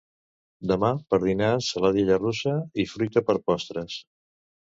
Demà per dinar ensaladilla russa i fruita per postres